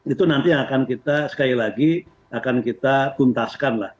itu nanti yang akan kita sekali lagi akan kita tuntaskan lah